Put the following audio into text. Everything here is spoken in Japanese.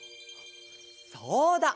そうだ！